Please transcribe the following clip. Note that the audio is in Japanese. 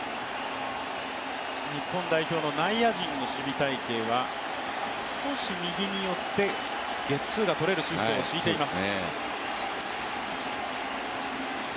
日本代表の内野陣の守備隊形は、少し右に寄ってゲッツーが取れるシフトを敷いています。